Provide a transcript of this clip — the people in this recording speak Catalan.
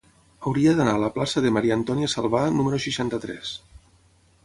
Hauria d'anar a la plaça de Maria-Antònia Salvà número seixanta-tres.